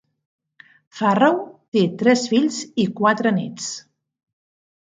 Farrow té tres fills i quatre néts.